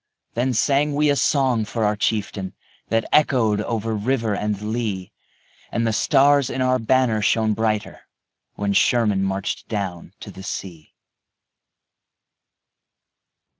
Then sang we a song for our chieftain That echoed over river and lea, And the stars in our banner shown brighter When Sherman marched down to the sea.